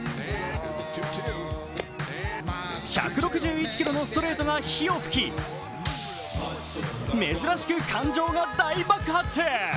１６１キロのストレートが火を噴き珍しく感情が大爆発。